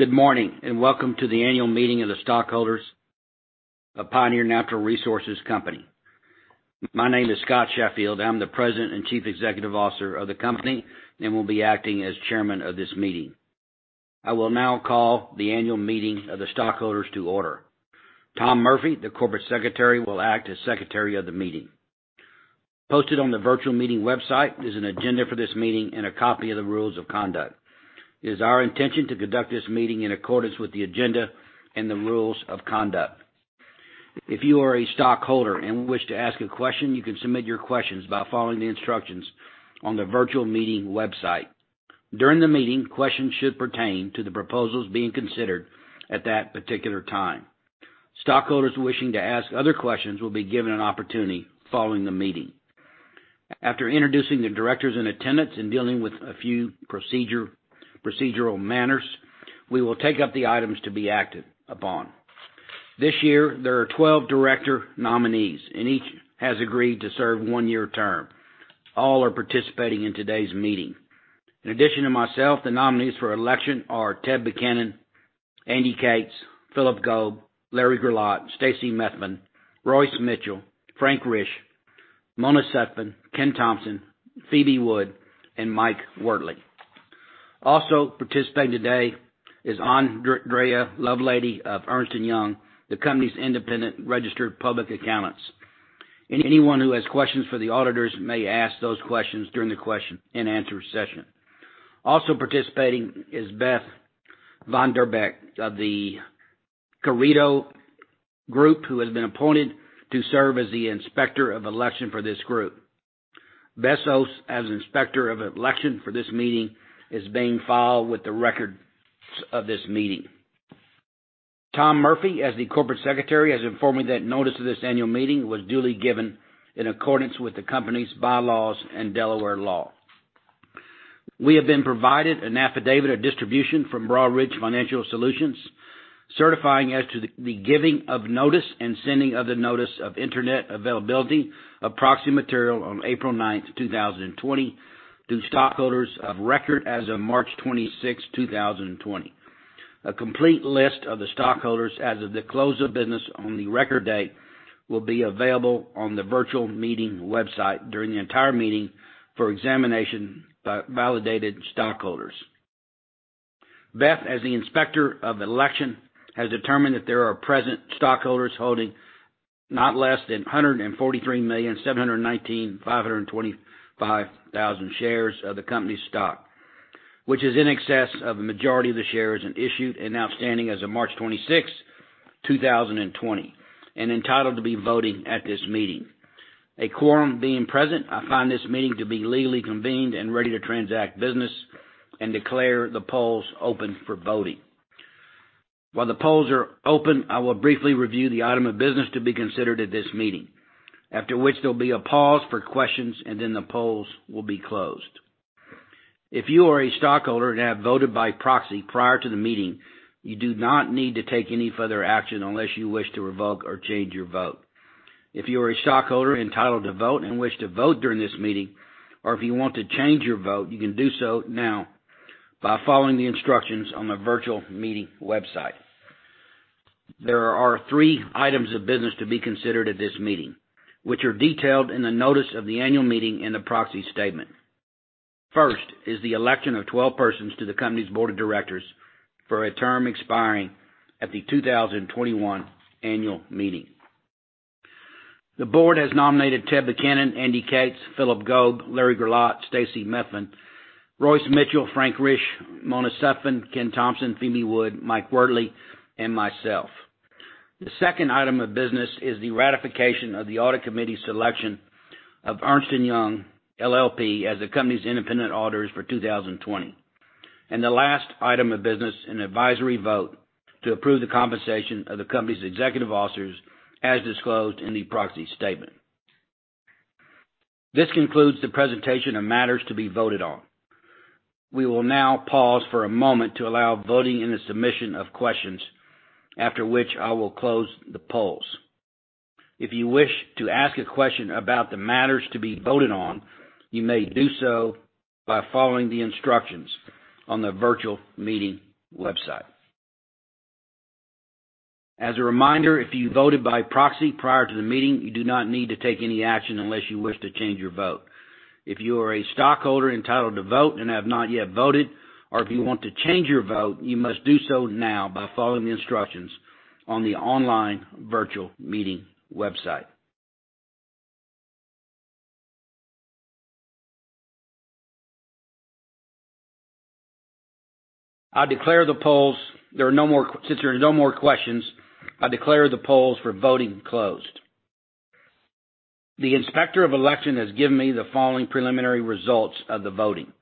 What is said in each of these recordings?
Good morning, and welcome to the annual meeting of the stockholders of Pioneer Natural Resources Company. My name is Scott Sheffield. I'm the President and Chief Executive Officer of the company, and will be acting as Chairman of this meeting. I will now call the annual meeting of the stockholders to order. Tom Murphy, the Corporate Secretary, will act as Secretary of the meeting. Posted on the virtual meeting website is an agenda for this meeting and a copy of the rules of conduct. It is our intention to conduct this meeting in accordance with the agenda and the rules of conduct. If you are a stockholder and wish to ask a question, you can submit your questions by following the instructions on the virtual meeting website. During the meeting, questions should pertain to the proposals being considered at that particular time. Stockholders wishing to ask other questions will be given an opportunity following the meeting. After introducing the directors in attendance and dealing with a few procedural manners, we will take up the items to be acted upon. This year, there are 12 director nominees and each has agreed to serve a one-year term. All are participating in today's meeting. In addition to myself, the nominees for election are Ted Buchanan, Andy Cates, Phillip Gobe, Larry Grillot, Stacy Methvin, Royce Mitchell, Frank Risch, Mona Sutphen, Ken Thompson, Phoebe Wood, and Mike Wortley. Also participating today is Andrea Lovelady of Ernst & Young, the company's independent registered public accountants. Anyone who has questions for the auditors may ask those questions during the question and answer session. Also participating is Beth VanDerbeck of The Carideo Group, who has been appointed to serve as the Inspector of Election for this group. Beth serves as Inspector of Election for this meeting, is being filed with the records of this meeting. Tom Murphy, as the Corporate Secretary, has informed me that notice of this annual meeting was duly given in accordance with the company's bylaws and Delaware law. We have been provided an affidavit of distribution from Broadridge Financial Solutions, certifying as to the giving of notice and sending of the notice of internet availability of proxy material on April 9th, 2020, to stockholders of record as of March 26th, 2020. A complete list of the stockholders as of the close of business on the record date will be available on the virtual meeting website during the entire meeting for examination by validated stockholders. Beth, as the Inspector of Election, has determined that there are present stockholders holding not less than 143,719,525 shares of the company's stock, which is in excess of the majority of the shares and issued and outstanding as of March 26th, 2020, and entitled to be voting at this meeting. A quorum being present, I find this meeting to be legally convened and ready to transact business and declare the polls open for voting. While the polls are open, I will briefly review the item of business to be considered at this meeting, after which there'll be a pause for questions, and then the polls will be closed. If you are a stockholder and have voted by proxy prior to the meeting, you do not need to take any further action unless you wish to revoke or change your vote. If you are a stockholder entitled to vote and wish to vote during this meeting, or if you want to change your vote, you can do so now by following the instructions on the virtual meeting website. There are three items of business to be considered at this meeting, which are detailed in the notice of the annual meeting and the proxy statement. First is the election of 12 persons to the company's board of directors for a term expiring at the 2021 annual meeting. The board has nominated Ted Buchanan, Andy Cates, Phillip Gobe, Larry Grillot, Stacy Methvin, Royce Mitchell, Frank Risch, Mona Sutphen, Ken Thompson, Phoebe Wood, Mike Wortley, and myself. The second item of business is the ratification of the audit committee's selection of Ernst & Young LLP as the company's independent auditors for 2020. The last item of business, an advisory vote to approve the compensation of the company's executive officers as disclosed in the proxy statement. This concludes the presentation of matters to be voted on. We will now pause for a moment to allow voting and the submission of questions, after which I will close the polls. If you wish to ask a question about the matters to be voted on, you may do so by following the instructions on the virtual meeting website. As a reminder, if you voted by proxy prior to the meeting, you do not need to take any action unless you wish to change your vote. If you are a stockholder entitled to vote and have not yet voted, or if you want to change your vote, you must do so now by following the instructions on the online virtual meeting website. Since there are no more questions, I declare the polls for voting closed. The Inspector of Election has given me the following preliminary results of the voting.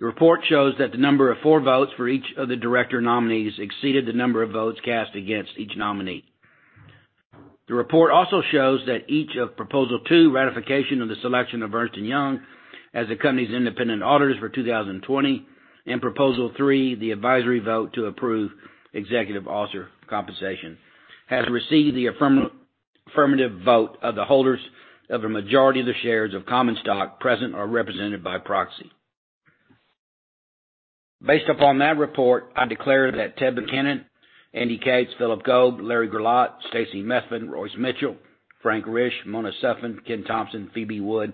The report shows that the number of four votes for each of the director nominees exceeded the number of votes cast against each nominee. The report also shows that each of Proposal 2, ratification of the selection of Ernst & Young as the company's independent auditors for 2020, and Proposal 3, the advisory vote to approve executive officer compensation, has received the affirmative vote of the holders of a majority of the shares of common stock present or represented by proxy. Based upon that report, I declare that Ted Buchanan, Andy Cates, Phillip Gobe, Larry Grillot, Stacy Methvin, Royce Mitchell, Frank Risch, Mona Sutphen, Ken Thompson, Phoebe Wood,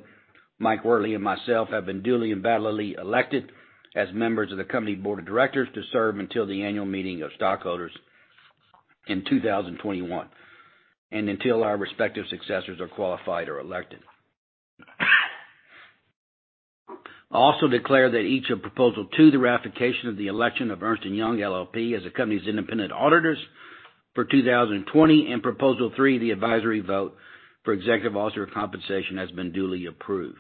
Mike Wortley, and myself have been duly and validly elected as members of the company board of directors to serve until the annual meeting of stockholders in 2021, and until our respective successors are qualified or elected. I also declare that each of Proposal 2, the ratification of the election of Ernst & Young LLP as the company's independent auditors for 2020, and Proposal 3, the advisory vote for executive officer compensation, has been duly approved.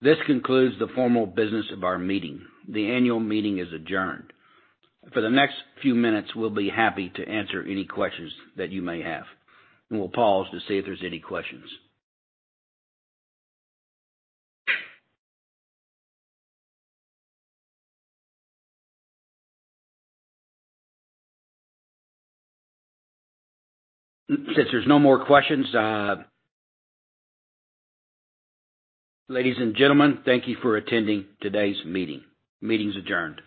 This concludes the formal business of our meeting. The annual meeting is adjourned. For the next few minutes, we'll be happy to answer any questions that you may have, and we'll pause to see if there's any questions. Since there's no more questions, ladies and gentlemen, thank you for attending today's meeting. Meeting's adjourned.